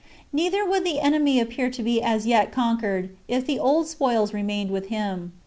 Neither would the enemy appear to be as yet conquered, if the old spoils re mained with him.